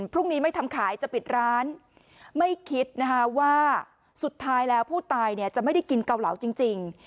พรุ่งนี้ไม่ทำขายจะปิดร้านไม่คิดนะคะว่าสุดท้ายแล้วผู้ตายเนี่ยจะไม่ได้กินเกาเหลาจริง